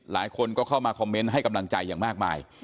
หลายคนก็เข้ามาคอมเมนต์ให้กำลังใจอย่างมากมาย